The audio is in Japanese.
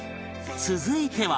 続いては